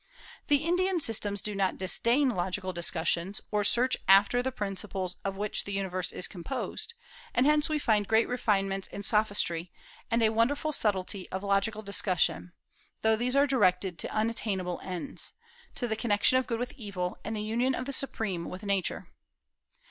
The Indian systems do not disdain logical discussions, or a search after the principles of which the universe is composed; and hence we find great refinements in sophistry, and a wonderful subtilty of logical discussion, though these are directed to unattainable ends, to the connection of good with evil, and the union of the Supreme with Nature.